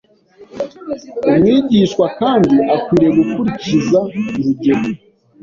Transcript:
Umwigishwa kandi akwiriye gukurikiza urugero